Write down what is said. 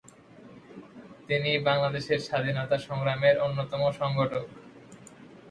তিনি বাংলাদেশের স্বাধীনতা সংগ্রামের অন্যতম সংগঠক।